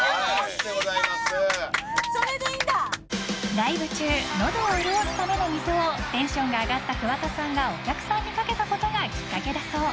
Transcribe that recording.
［ライブ中喉を潤すための水をテンションが上がった桑田さんがお客さんに掛けたことがきっかけだそう］